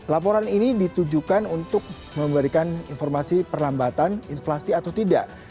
laporan ini ditujukan untuk memberikan informasi perlambatan inflasi atau tidak